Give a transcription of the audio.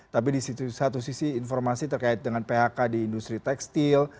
tapi di satu sisi informasi terkait dengan phk di industri tekstil